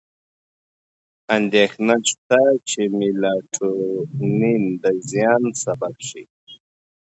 اندېښنه شته چې میلاټونین د زیان سبب شي.